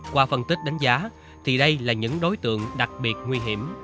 qua phân tích đánh giá thì đây là những đối tượng đặc biệt nguy hiểm